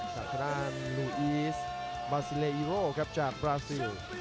สัตว์ทางลุอีสบาซิเลอร่วครับจากบราซิล